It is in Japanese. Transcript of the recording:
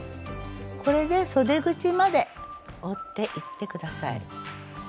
これでそで口まで折っていって下さい。